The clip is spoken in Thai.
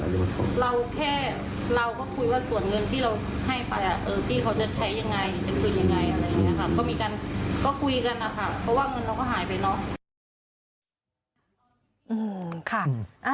เพราะว่าเงินเราก็หายไป